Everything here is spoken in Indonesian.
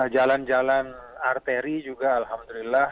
jalan jalan arteri juga alhamdulillah